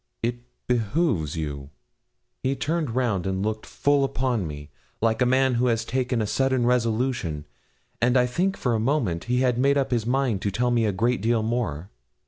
'It behoves you.' He turned round and looked full upon me, like a man who has taken a sudden resolution; and I think for a moment he had made up his mind to tell me a great deal more.